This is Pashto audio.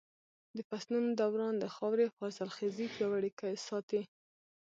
د فصلونو دوران د خاورې حاصلخېزي پياوړې ساتي.